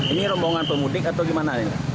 ini rombongan pemudik atau gimana